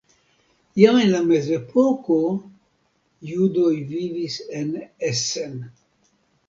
Jam en la mezepoko judoj vivis en Essen.